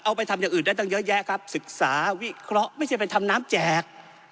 ไปทำอย่างอื่นได้ตั้งเยอะแยะครับศึกษาวิเคราะห์ไม่ใช่ไปทำน้ำแจก